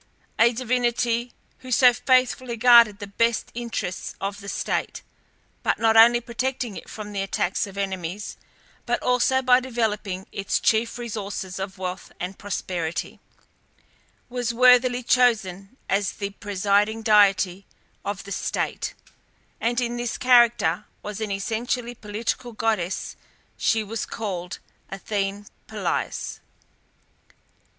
A divinity who so faithfully guarded the best interests of the state, by not only protecting it from the attacks of enemies, but also by developing its chief resources of wealth and prosperity, was worthily chosen as the presiding deity of the state, and in this character as an essentially political goddess she was called Athene Polias.